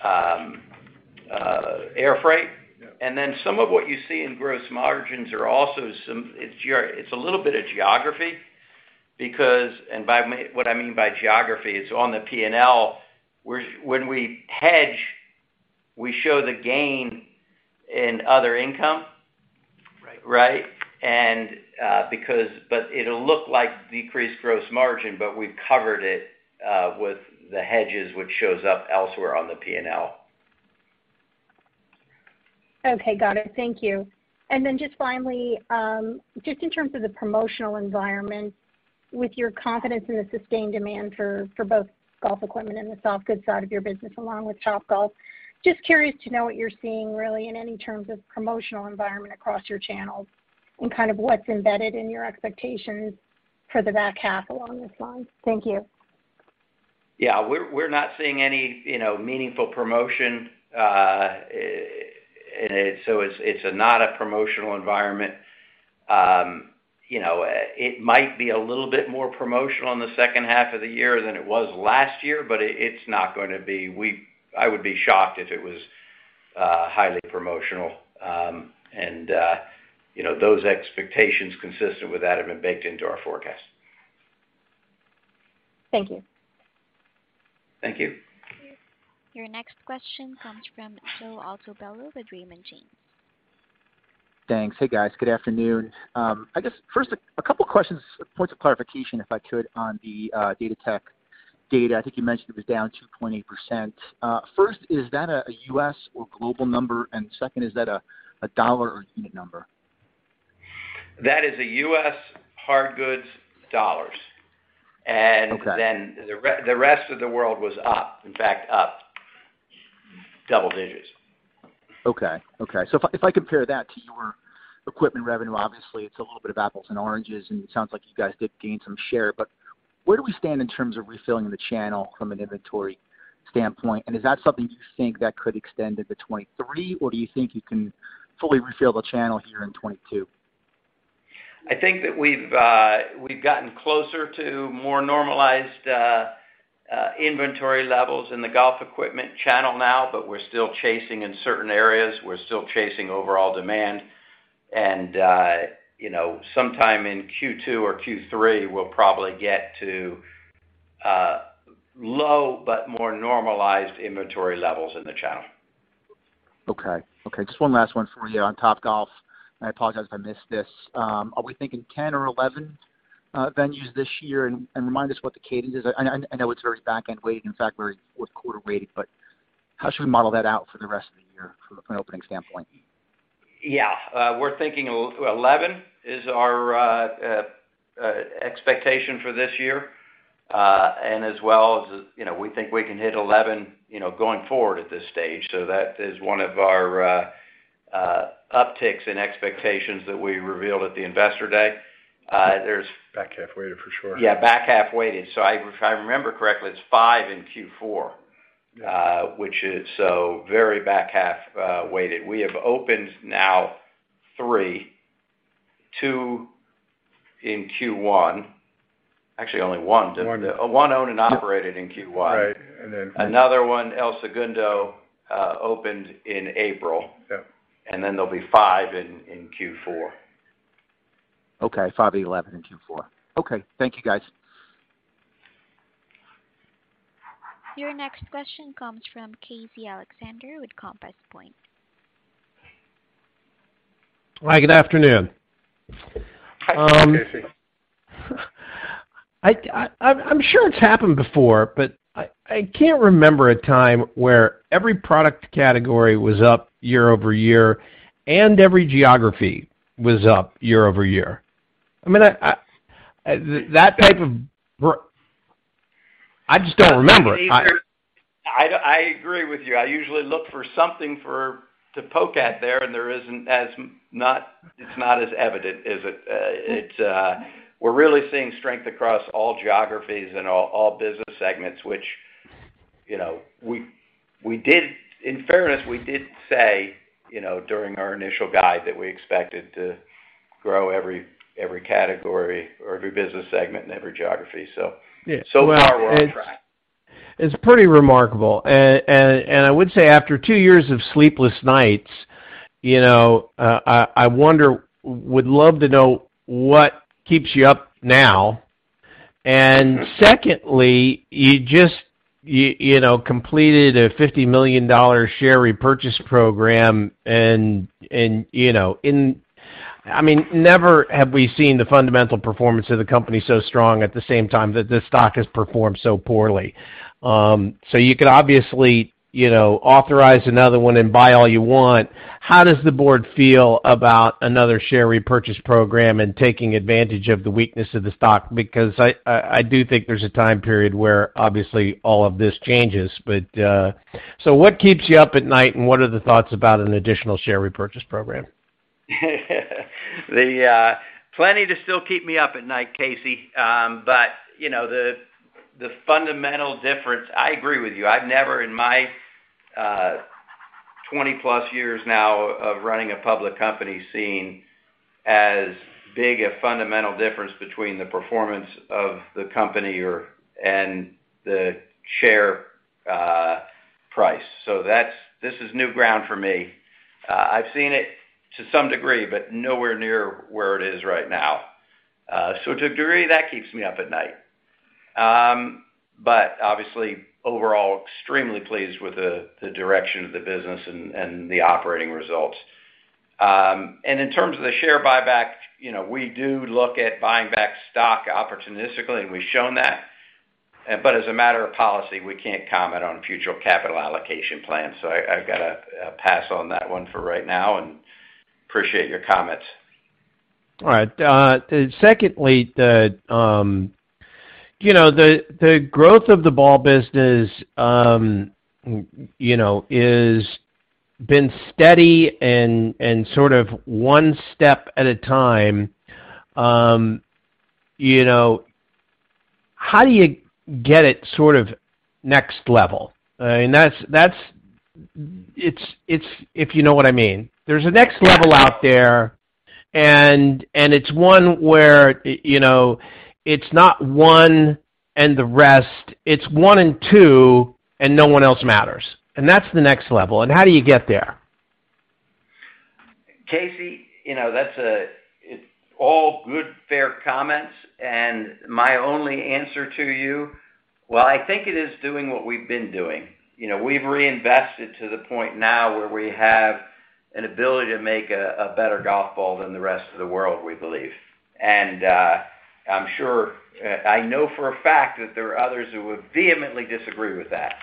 the air freight. Some of what you see in gross margins are also some. It's a little bit of geography because what I mean by geography is on the P&L, when we hedge, we show the gain in other income. Right. Right? But it'll look like decreased gross margin, but we've covered it with the hedges, which shows up elsewhere on the P&L. Okay, got it. Thank you. Just finally, just in terms of the promotional environment with your confidence in the sustained demand for both golf equipment and the soft goods side of your business, along with Topgolf, just curious to know what you're seeing really in any terms of promotional environment across your channels and kind of what's embedded in your expectations for the back half along those lines. Thank you. We're not seeing any, you know, meaningful promotion in it, so it's not a promotional environment. You know, it might be a little bit more promotional in the second half of the year than it was last year, but it's not gonna be. I would be shocked if it was highly promotional. You know, those expectations consistent with that have been baked into our forecast. Thank you. Thank you. Your next question comes from Joe Altobello with Raymond James. Thanks. Hey, guys. Good afternoon. I guess first a couple questions, points of clarification, if I could, on the Golf Datatech data. I think you mentioned it was down 2%-20%. First, is that a US or global number? Second, is that a dollar or unit number? That is a U.S. hard goods dollars. Okay. The rest of the world was up. In fact, up double digits. Okay. If I compare that to your equipment revenue, obviously it's a little bit of apples and oranges, and it sounds like you guys did gain some share. But where do we stand in terms of refilling the channel from an inventory standpoint? And is that something you think that could extend into 2023, or do you think you can fully refill the channel here in 2022? I think that we've gotten closer to more normalized inventory levels in the golf equipment channel now, but we're still chasing in certain areas. We're still chasing overall demand. You know, sometime in Q2 or Q3, we'll probably get to low but more normalized inventory levels in the channel. Okay, just one last one for you on Topgolf, and I apologize if I missed this. Are we thinking 10 or 11 venues this year? Remind us what the cadence is. I know it's very back-end weighted, in fact, very fourth quarter weighted, but how should we model that out for the rest of the year from an opening standpoint? We're thinking 11 is our expectation for this year. As well as, you know, we think we can hit 11, you know, going forward at this stage. That is one of our upticks in expectations that we revealed at the Investor Day. Back half weighted for sure. Back half weighted. If I remember correctly, it's five in Q4, which is so very back half weighted. We have opened now 3, 2 in Q1. Actually only one. 1. 1 owned and operated in Q1. Right. Another one, El Segundo, opened in April. Yep. There'll be 5 in Q4. Okay. 5 of 11 in Q4. Okay. Thank you, guys. Your next question comes from Casey Alexander with Compass Point. Hi, good afternoon. Hi, Casey. I'm sure it's happened before, but I can't remember a time where every product category was up year-over-year and every geography was up year-over-year. I mean, I just don't remember. I agree with you. I usually look for something to poke at there, and there isn't. It's not as evident, is it? We're really seeing strength across all geographies and all business segments, which, you know, we did. In fairness, we did say, you know, during our initial guide that we expected to grow every category or every business segment and every geography. So far, we're on track. It's pretty remarkable. I would say after two years of sleepless nights, you know, I wonder would love to know what keeps you up now. Secondly, you just you know completed a $50 million share repurchase program and you know I mean never have we seen the fundamental performance of the company so strong at the same time that the stock has performed so poorly. You could obviously you know authorize another one and buy all you want. How does the board feel about another share repurchase program and taking advantage of the weakness of the stock? Because I do think there's a time period where obviously all of this changes. What keeps you up at night, and what are the thoughts about an additional share repurchase program? There's plenty to still keep me up at night, Casey. You know, the fundamental difference, I agree with you. I've never, in my 20-plus years now of running a public company, seen as big a fundamental difference between the performance of the company and the share price. This is new ground for me. I've seen it to some degree, but nowhere near where it is right now. To a degree, that keeps me up at night. Obviously, overall, extremely pleased with the direction of the business and the operating results. In terms of the share buyback, you know, we do look at buying back stock opportunistically, and we've shown that. As a matter of policy, we can't comment on future capital allocation plans. I've gotta pass on that one for right now and appreciate your comments. All right. Secondly, the growth of the ball business has been steady and sort of one step at a time. How do you get it sort of next level? That's it, if you know what I mean. There's a next level out there, and it's one where you know, it's not one and the rest. It's one and two, and no one else matters. That's the next level, and how do you get there? Casey, you know, that's all good, fair comments, and my only answer to you. Well, I think it is doing what we've been doing. You know, we've reinvested to the point now where we have an ability to make a better golf ball than the rest of the world, we believe. I'm sure, I know for a fact that there are others who would vehemently disagree with that.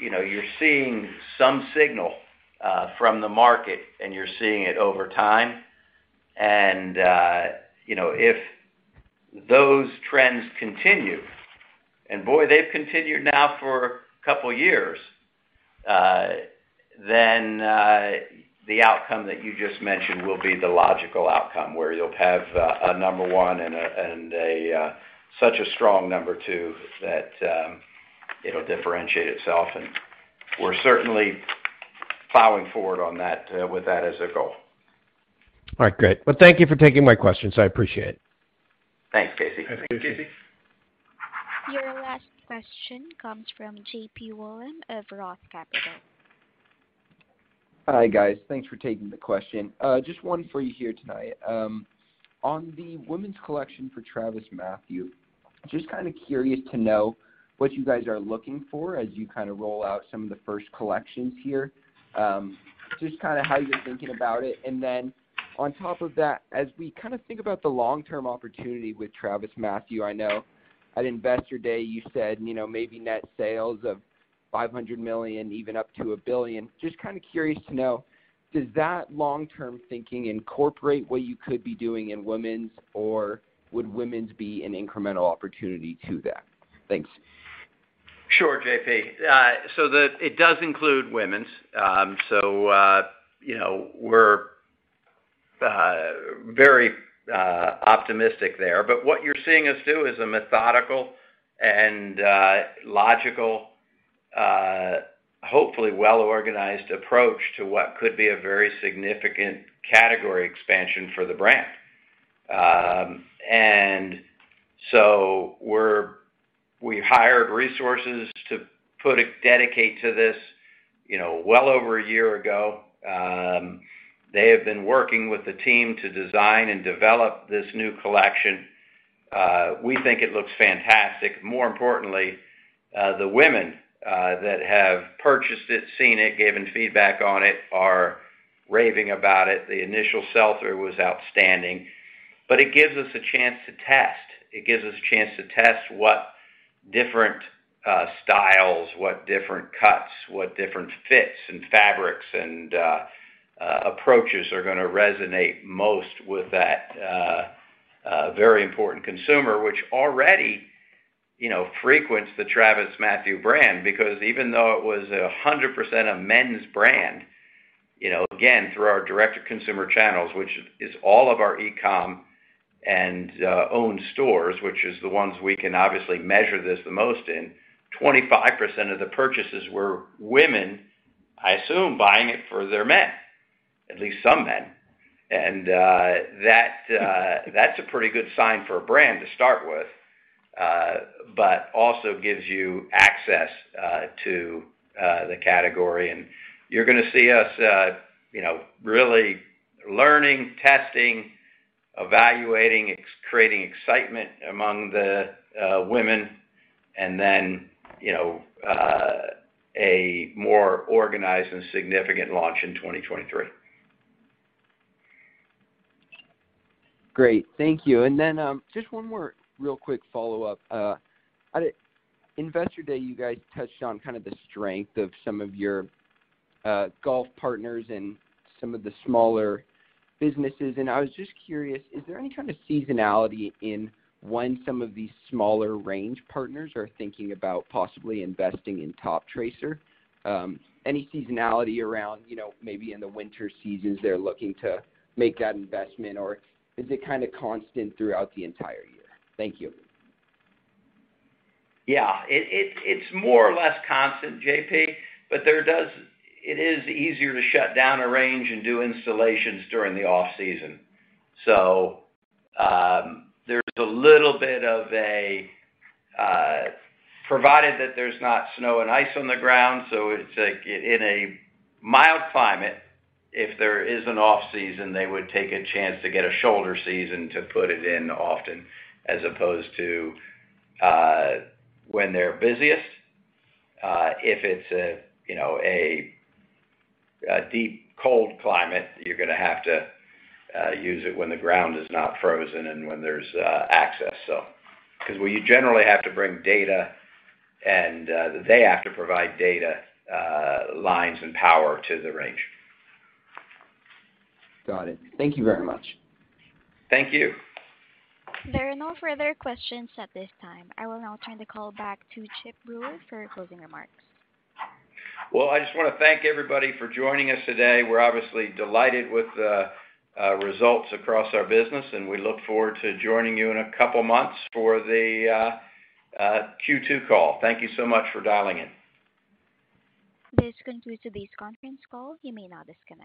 You know, you're seeing some signal from the market, and you're seeing it over time. You know, if those trends continue, and boy, they've continued now for a couple of years, then the outcome that you just mentioned will be the logical outcome, where you'll have a number one and a such a strong number two that it'll differentiate itself. We're certainly plowing forward on that, with that as a goal. All right, great. Well, thank you for taking my questions. I appreciate it. Thanks, Casey. Your last question comes from J.P. Wollam of Roth Capital. Hi, guys. Thanks for taking the question. Just one for you here tonight. On the women's collection for TravisMathew, just kinda curious to know what you guys are looking for as you kinda roll out some of the first collections here. Just kinda how you're thinking about it. Then on top of that, as we kinda think about the long-term opportunity with TravisMathew, I know at Investor Day, you said, you know, maybe net sales of $500 million, even up to $1 billion. Just kinda curious to know, does that long-term thinking incorporate what you could be doing in women's, or would women's be an incremental opportunity to that? Thanks. Sure, JP. It does include women's. You know, we're very optimistic there. What you're seeing us do is a methodical and logical, hopefully well organized approach to what could be a very significant category expansion for the brand. We hired resources to dedicate to this, you know, well over a year ago. They have been working with the team to design and develop this new collection. We think it looks fantastic. More importantly, the women that have purchased it, seen it, given feedback on it, are raving about it. The initial sell-through was outstanding. It gives us a chance to test. It gives us a chance to test what different styles, what different cuts, what different fits and fabrics and approaches are gonna resonate most with that very important consumer, which already, you know, frequents the TravisMathew brand. Because even though it was 100% a men's brand, you know, again, through our direct-to-consumer channels, which is all of our e-com and own stores, which is the ones we can obviously measure this the most in, 25% of the purchases were women, I assume, buying it for their men, at least some men. That's a pretty good sign for a brand to start with, but also gives you access to the category. You're gonna see us, you know, really learning, testing, evaluating, creating excitement among the women, and then, you know, a more organized and significant launch in 2023. Great. Thank you. Just one more real quick follow-up. At Investor Day, you guys touched on kind of the strength of some of your golf partners and some of the smaller businesses, and I was just curious, is there any kind of seasonality in when some of these smaller range partners are thinking about possibly investing in Toptracer? Any seasonality around, you know, maybe in the winter seasons they're looking to make that investment, or is it kinda constant throughout the entire year? Thank you. It's more or less constant, JP, but it is easier to shut down a range and do installations during the off-season. There's a little bit of a provided that there's not snow and ice on the ground, so it's like in a mild climate, if there is an off-season, they would take a chance to get a shoulder season to put it in often, as opposed to when they're busiest. If it's a you know a deep cold climate, you're gonna have to use it when the ground is not frozen and when there's access. 'Cause we generally have to bring data and they have to provide data lines and power to the range. Got it. Thank you very much. Thank you. There are no further questions at this time. I will now turn the call back to Chip Brewer for closing remarks. Well, I just wanna thank everybody for joining us today. We're obviously delighted with the results across our business, and we look forward to joining you in a couple months for the Q2 call. Thank you so much for dialing in. This concludes today's conference call. You may now disconnect.